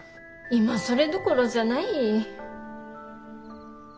今それどころじゃない。